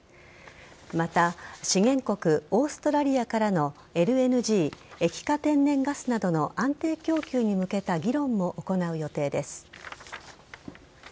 また、資源国オーストラリアからのＬＮＧ＝液化天然ガスなどの安定供給に向けた議論も行う予定です。